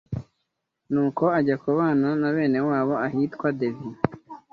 Nuko ajya kubana na benewabo ahitwa Dévié